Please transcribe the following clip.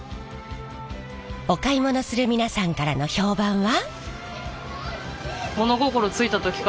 お買い物する皆さんからの評判は。